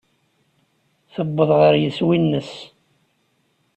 Yewweḍ ɣer yiswi-nnes.